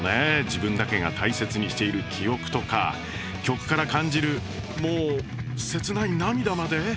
自分だけが大切にしている記憶とか曲から感じるもう切ない涙まで？